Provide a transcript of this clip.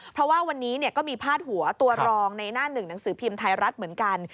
เพราะว่าวันนี้ก็มีพาดหัวตัวรองในหน้าหนึ่งหนังสือพิมพ์ไทยรัฐเหมือนกัน